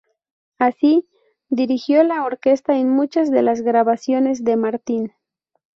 Así, dirigió la orquesta en muchas de las grabaciones de Martin.